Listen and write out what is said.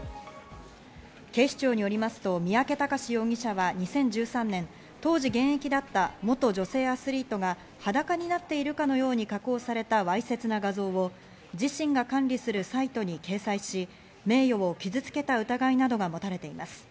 警視庁によりますと、三宅孝容疑者は２０１３年、当時現役だった元女性アスリートが裸になっているかのように加工されたわいせつな画像を自身が管理するサイトに掲載し、名誉を傷つけた疑いなどが持たれています。